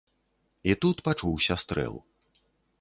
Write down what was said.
І тут пачуўся стрэл.